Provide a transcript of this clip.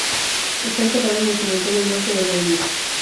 Está enterrado en el cementerio norte de Weymouth.